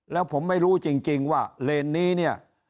แล้วผมไม่รู้จริงว่าเลนนี้เนี่ย